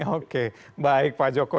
oke baik pak joko